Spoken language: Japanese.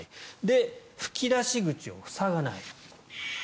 吹き出し口を塞がない。